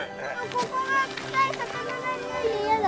ここが臭い魚のにおいで嫌だ。